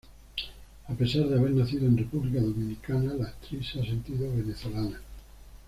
A pesar de haber nacido en República Dominicana, la actriz se ha sentido venezolana.